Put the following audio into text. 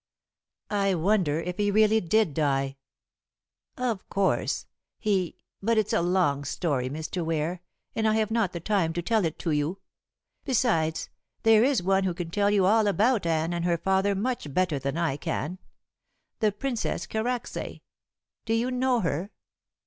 "I wonder if he really did die." "Of course. He but it's a long story, Mr. Ware, and I have not the time to tell it to you. Besides, there is one who can tell you all about Anne and her father much better than I can. The Princess Karacsay. Do you know her?"